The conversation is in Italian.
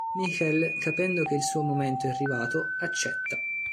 Michael capendo che il suo momento è arrivato, accetta.